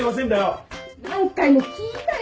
何回も聞いたよ！